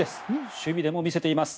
守備でも見せています。